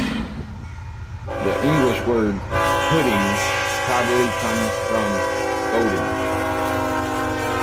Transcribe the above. The English word "pudding" probably comes from "boudin".